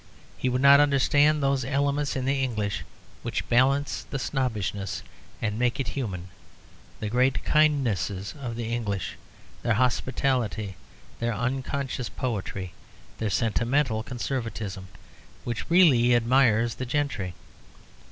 He would not understand those elements in the English which balance snobbishness and make it human: the great kindness of the English, their hospitality, their unconscious poetry, their sentimental conservatism, which really admires the gentry.